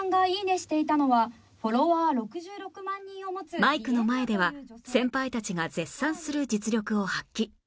マイクの前では先輩たちが絶賛する実力を発揮